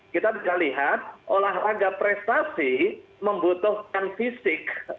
kita bisa lihat olahraga prestasi membutuhkan fisik